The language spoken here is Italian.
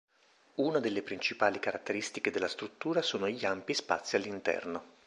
Una della principali caratteristiche della struttura sono gli ampi spazi all'interno.